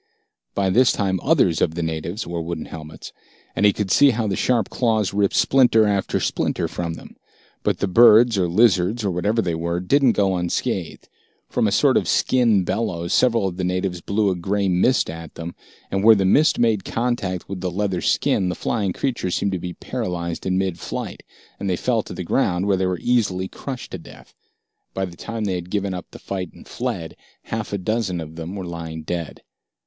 By this time, others of the natives wore wooden helmets, and he could see how the sharp claws ripped splinter after splinter from them. But the birds or lizards, or whatever they were, didn't go unscathed. From a sort of skin bellows, several of the natives blew a gray mist at them, and where the mist made contact with the leather skin, the flying creatures seemed to be paralyzed in mid flight, and they fell to the ground, where they were easily crushed to death. By the time they had given up the fight and fled, half a dozen of them were lying dead.